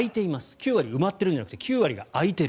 ９割埋まってるんじゃなくて９割空いている。